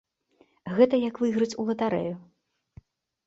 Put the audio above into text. Гэта як выйграць у латарэю.